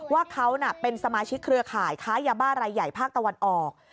ว่าเขาเป็นสมาชิกเครือข่ายค้ายาบ้ารายใหญ่ภาคตะวันออก